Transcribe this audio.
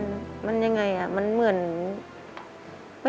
ขอเพียงคุณสามารถที่จะเอ่ยเอื้อนนะครับ